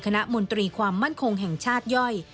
มนตรีความมั่นคงแห่งชาติย่อย